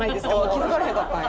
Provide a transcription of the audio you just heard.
気づかれへんかったんや。